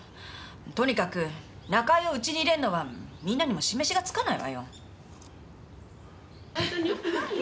とにかく仲居をうちに入れるのはみんなにも示しがつかないわよ